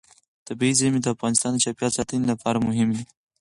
طبیعي زیرمې د افغانستان د چاپیریال ساتنې لپاره مهم دي.